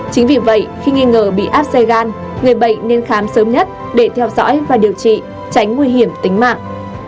chính vì vậy khi nghi ngờ bị áp xe gan người bệnh nên khám sớm nhất để theo dõi và điều trị tránh nguy hiểm tính mạng